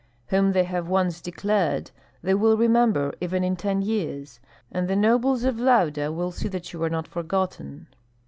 Whom they have once declared they will remember even in ten years, and the nobles of Lauda will see that you are not forgotten."